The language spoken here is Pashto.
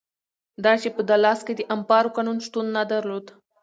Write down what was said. دا چې په دالاس کې د امپارو قانون شتون نه درلود.